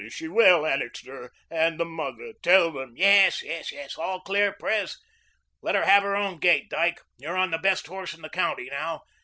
Is she well, Annixter, and the mother? Tell them " "Yes, yes, yes. All clear, Pres? Let her have her own gait, Dyke. You're on the best horse in the county now.